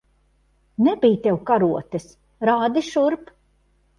Nebij tev karotes. Rādi šurp!